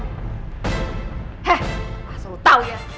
heh asal lo tau ya